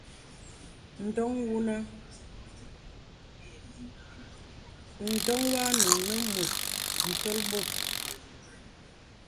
Ǹdoŋ wanùŋ nə mùt ǹtol bòt.